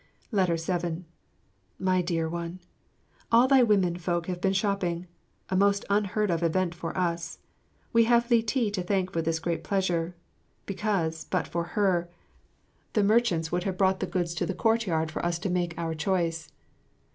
7 My Dear One, All thy women folk have been shopping! A most unheard of event for us. We have Li ti to thank for this great pleasure, because, but for her, the merchants would have brought their goods to the courtyard for us to make our choice.